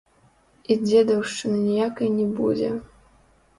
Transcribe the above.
І дзедаўшчыны ніякай не будзе.